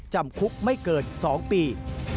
จำคุกไม่เกิน๒ปี